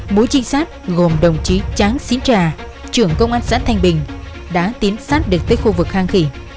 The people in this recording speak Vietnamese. mũi trinh sát gồm đồng chí tráng sinh tra trưởng công an xã thanh bình đã tiến sát được tới khu vực hang khỉ